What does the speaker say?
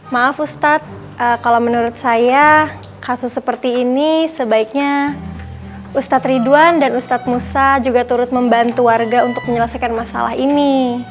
maaf ustadz kalau menurut saya kasus seperti ini sebaiknya ustadz ridwan dan ustadz musa juga turut membantu warga untuk menyelesaikan masalah ini